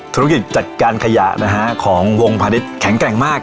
ธุรกิจจัดการขยะนะฮะของวงพาณิชย์แข็งแกร่งมาก